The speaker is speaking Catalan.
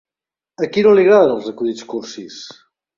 A qui no li agraden els acudits cursis?